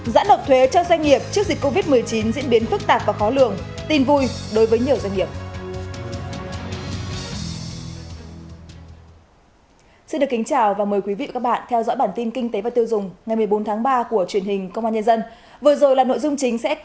giãn độc thuế cho doanh nghiệp trước dịch covid một mươi chín diễn biến phức tạp và khó lường